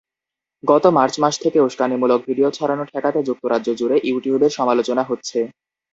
গত মার্চ মাস থেকে উসকানিমূলক ভিডিও ছড়ানো ঠেকাতে যুক্তরাজ্যজুড়ে ইউটিউবের সমালোচনা হচ্ছে।